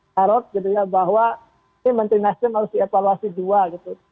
tarot bahwa menteri nasional harus dievaluasi dua gitu